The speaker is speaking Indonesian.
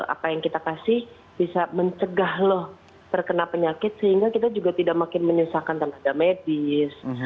apa yang kita kasih bisa mencegah loh terkena penyakit sehingga kita juga tidak makin menyusahkan tenaga medis